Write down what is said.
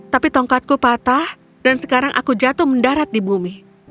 tapi tongkatku patah dan sekarang aku jatuh mendarat di bumi